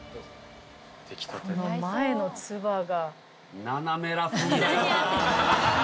この前のツバが。